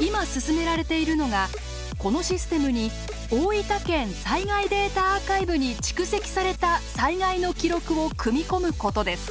今進められているのがこのシステムに「大分県災害データアーカイブ」に蓄積された災害の記録を組み込むことです。